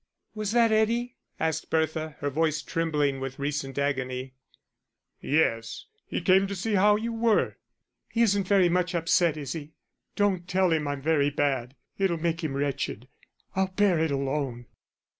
"Was that Eddie?" asked Bertha, her voice trembling with recent agony. "Yes; he came to see how you were." "He isn't very much upset, is he? Don't tell him I'm very bad it'll make him wretched. I'll bear it alone."